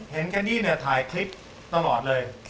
เห็นแค่นี้เนี้ยถ่ายคลิปตลอดเลย